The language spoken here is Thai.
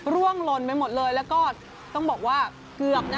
ร่วงหล่นไปหมดเลยแล้วก็ต้องบอกว่าเกือบนะ